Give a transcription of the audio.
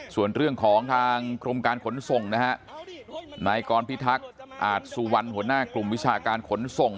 ส่วนเรื่องของทางกรมการขนส่งนะฮะนายกรพิทักษ์อาจสุวรรณหัวหน้ากลุ่มวิชาการขนส่ง